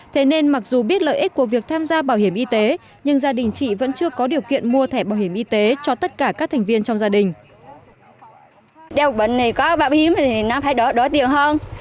thế nên mặc dù biết lợi ích của việc tham gia bảo hiểm y tế nhưng gia đình chị vẫn chưa có điều kiện mua thẻ bảo hiểm y tế cho tất cả các thành viên trong gia đình